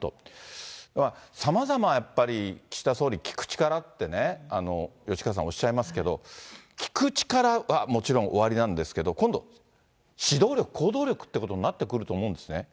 さまざま、やっぱり岸田総理、聞く力ってね、吉川さん、おっしゃいますけども、聞く力はもちろんおありなんですけれども、今度、指導力、行動力っていうことになってくると思うんですね。